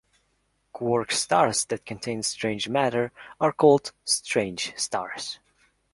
Quark stars that contain strange matter are called strange stars.